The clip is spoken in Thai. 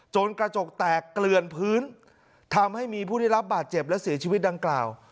กระจกแตกเกลือนพื้นทำให้มีผู้ได้รับบาดเจ็บและเสียชีวิตดังกล่าว